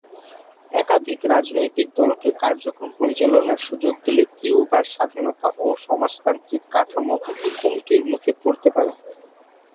একাধিক রাজনৈতিক দলকে কার্যক্রম পরিচালনার সুযোগ দিলে কিউবার স্বাধীনতা ও সমাজতান্ত্রিক কাঠামো হুমকির মুখে পড়তে পারে।